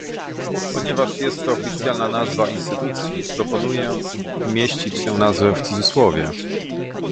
Ponieważ jest to oficjalna nazwa instytucji, proponuje umieścić tę nazwę w cudzysłowie